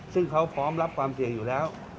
ซึ่งเขาพร้อมรับความเสี่ยงอยู่แล้ว